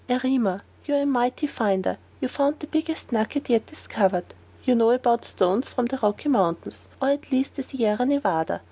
"Erema, you are a mighty finder; you found the biggest nugget yet discovered. You know about stones from the Rocky Mountains, or at least the Sierra Nevada.